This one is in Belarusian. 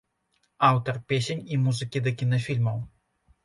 Аўтар песень і музыкі да кінафільмаў.